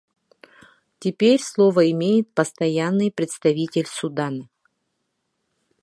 Теперь слово имеет Постоянный представитель Судана.